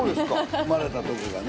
生まれたとこがね。